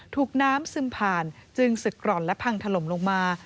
ถูกน้ำซึมผ่านจึงศึกกร่อนและพังถล่มลงมา